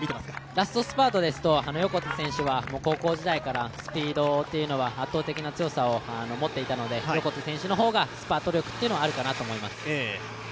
ラストスパートは横手選手は高校時代からスピードというのは圧倒的な強さを持っていたので横手選手の方がスパート力はあるかと思います。